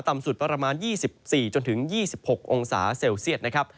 ต่ำสุดประมาณ๒๔๒๖องศาเซลเซียต